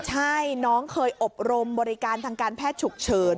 ใช่น้องเคยอบรมบริการทางการแพทย์ฉุกเฉิน